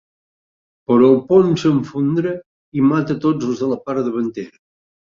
Però el pont s'esfondra i mata a tots els de la part davantera.